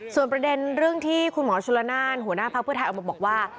ส่วนประเด็นเรื่องที่คุณหมอชุลนานหัวหน้าพักเพื่อไทยออกมาบอกว่า